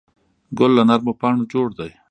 ګل له نرمو پاڼو جوړ دی.